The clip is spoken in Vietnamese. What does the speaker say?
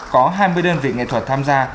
có hai mươi đơn vị nghệ thuật tham gia